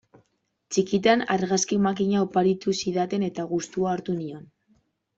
Txikitan argazki makina oparitu zidaten eta gustua hartu nion.